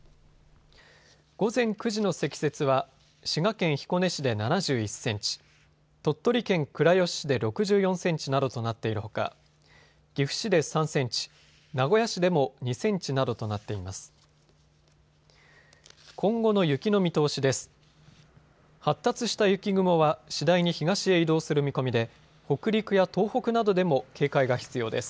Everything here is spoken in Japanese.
午前９時の積雪は滋賀県彦根市で７１センチ、鳥取県倉吉市で６４センチなどとなっているほか岐阜市で３センチ、名古屋市でも２センチなどとなっています。